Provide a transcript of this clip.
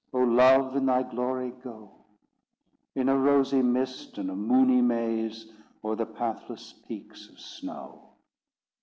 O Love! in thy glory go, In a rosy mist and a moony maze, O'er the pathless peaks of snow.